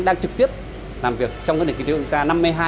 đang trực tiếp làm việc trong cái nền kỷ niệm của chúng ta